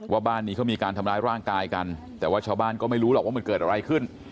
บ้านนี้เขามีการทำร้ายร่างกายกันแต่ว่าชาวบ้านก็ไม่รู้หรอกว่ามันเกิดอะไรขึ้น